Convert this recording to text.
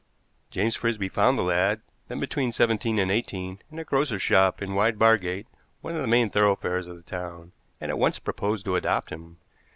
James Frisby found the lad, then between seventeen and eighteen, in a grocer's shop in Wide Bargate, one of the main thoroughfares of the town, and at once proposed to adopt him.